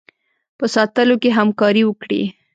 په ساتلو کې همکاري وکړي.